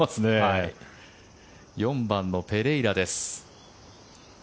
４番のペレイラです。